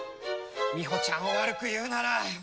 みほちゃんを悪く言うなら。